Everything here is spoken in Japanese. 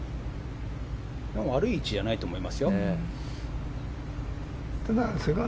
悪い位置じゃないと思いますよ。